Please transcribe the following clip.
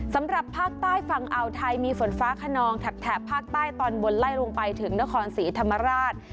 สำหรับภาคใต้ฝั่งอ่าวไทยมีฝนฟ้าขนองแถบภาคใต้ตอนบนไล่ลงไปถึงนครศรีธรรมราช